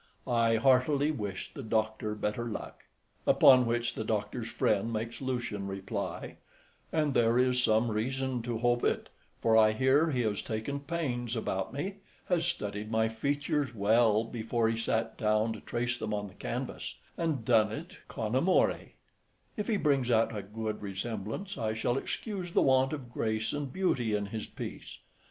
I heartily wish the Doctor better luck." Upon which the Doctor's friend makes Lucian reply: "And there is some reason to hope it, for I hear he has taken pains about me, has studied my features well before he sat down to trace them on the canvas, and done it con amore: if he brings out a good resemblance, I shall excuse the want of grace and beauty in his piece.